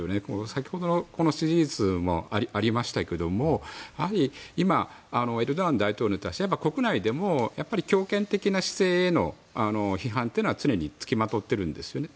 先ほどの支持率にもありましたけどもやはり、今エルドアン大統領に対して国内でも強権的な姿勢への批判は常に付きまとっているんですよね。